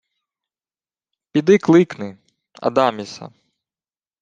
— Піди кликни... Адаміса.